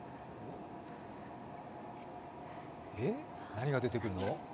何が出てくるの？